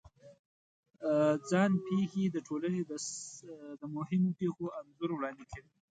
ځان پېښې د ټولنې د مهمو پېښو انځور وړاندې کوي.